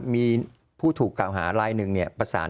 มีผู้ถูกกล่าวหารายหนึ่งเนี่ย